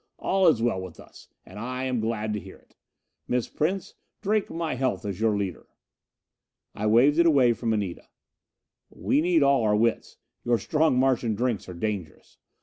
All is well with us, and I am glad to hear it. Miss Prince, drink my health as your leader." I waved it away from Anita. "We need all our wits; your strong Martian drinks are dangerous.